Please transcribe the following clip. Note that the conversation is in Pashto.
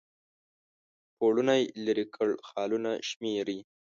پوړونی لیري کړ خالونه شمیري